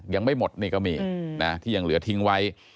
ยังไม่หมดนี่ก็มีนะที่ยังเหลือทิ้งไว้